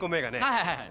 はいはい。